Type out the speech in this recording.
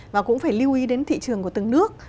và cũng phải lưu ý đến thị trường của từng nước